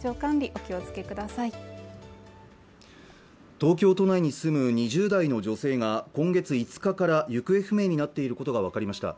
お気をつけください東京都内に住む２０代の女性が今月５日から行方不明になっていることが分かりました